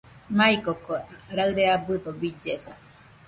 Maikoko raɨre abɨdo billesa